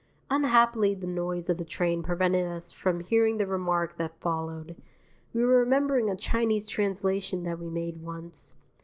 Unhappily the noise of the train prevented us from hearing the remark that followed. We were remembering a Chinese translation that we made once.